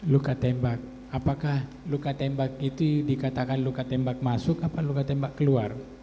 luka tembak apakah luka tembak itu dikatakan luka tembak masuk apa luka tembak keluar